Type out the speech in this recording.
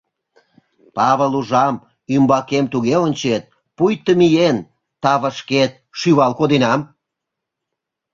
— Павыл, ужам, ӱмбакем туге ончет, пуйто, миен, тавышкет шӱвал коденам.